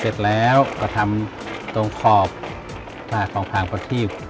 เสร็จแล้วก็ทำตรงขอบของทางประทีบ